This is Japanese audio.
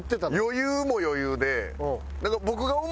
余裕も余裕で。